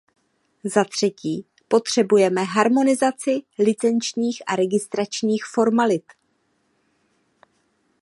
Za třetí potřebujeme harmonizaci licenčních a registračních formalit.